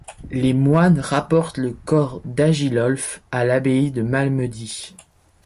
Les moines rapportent le corps d'Agilolphe à l'abbaye de Malmedy.